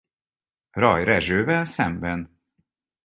Ray Rezsővel szemben.